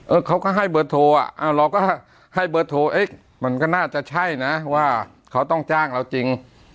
เขาก็ให้เบอร์โทรอ่ะอ้าวเราก็ให้เบอร์โทรเอ๊ะมันก็น่าจะใช่นะว่าเขาต้องจ้างเราจริง